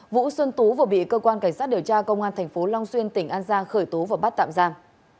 vũ xuân tú vừa bị cơ quan cảnh sát điều tra công an thành phố long xuyên tỉnh an giang khởi tố và bắt tạm giam